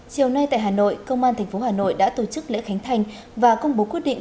chiều nay tại hà nội công an tp hà nội đã tổ chức lễ khánh thành và công bố quyết định